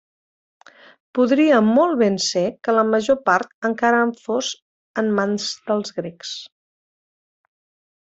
Podria molt ben ser que la major part encara en fos en mans dels grecs.